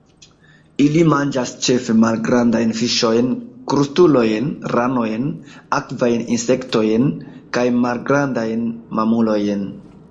Ili manĝas ĉefe malgrandajn fiŝojn, krustulojn, ranojn, akvajn insektojn, kaj malgrandajn mamulojn.